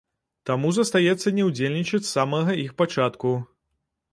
Таму застаецца не ўдзельнічаць з самага іх пачатку.